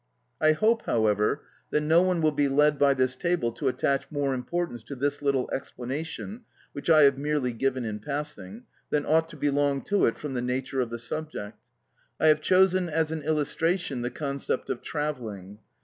I hope, however, that no one will be led by this table to attach more importance to this little explanation, which I have merely given in passing, than ought to belong to it, from the nature of the subject. I have chosen as an illustration the concept of travelling.